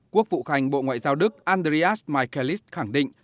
quốc phụ khánh bộ ngoại giao đức andreas michaelis khẳng định